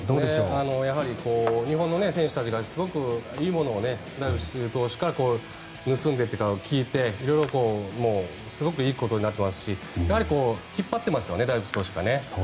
やはり日本の選手たちがすごくいいものをダルビッシュ選手から盗んでというか聞いてすごくいいことになっていますしやはり引っ張ってますよねダルビッシュ投手が。